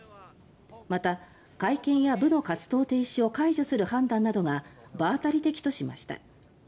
また、会見や部の活動停止を解除する判断などが場当たり的としました。